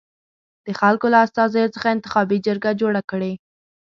د خلکو له استازیو څخه انتخابي جرګه جوړه کړي.